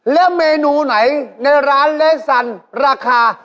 แล้วเมนูไหนในร้านเลสสันราคา